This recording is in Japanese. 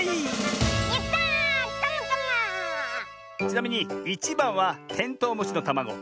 ちなみに１ばんはテントウムシのたまご。